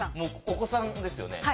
お子さんですよね？